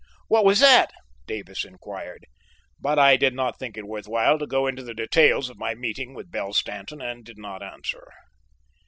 "What was that?" Davis inquired, but I did not think it worth while to go into the details of my meeting with Belle Stanton and did not answer.